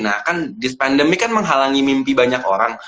nah kan this pandemic kan menghalangi mimpi banyak orang